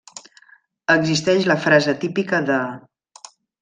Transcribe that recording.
Existeix la frase típica de: